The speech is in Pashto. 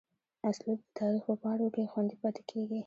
اسلوب دَ تاريخ پۀ پاڼو کښې خوندي پاتې کيږي